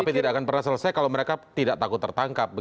tapi tidak akan pernah selesai kalau mereka tidak takut tertangkap